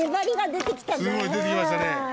すごい出てきましたね。